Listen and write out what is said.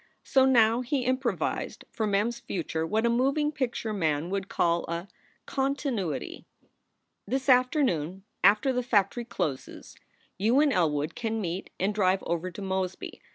So now he improvised for Mem s future what a moving picture man would call a "continuity." "This afternoon, after the factory closes, you and Elwood can meet and drive over to Mosby.